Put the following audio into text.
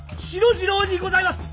次郎にございます！